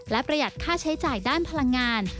และประหยัดค่าใช้จ่ายด้านพลังงาน